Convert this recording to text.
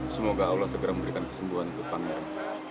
semoga allah segera memberikan kesembuhan untuk pangeran